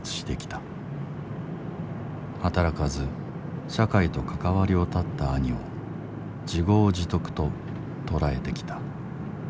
働かず社会と関わりを断った兄を自業自得と捉えてきた。